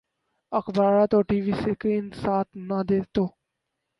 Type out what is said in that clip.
اخبارات اور T V screen ساتھ نہ دے تو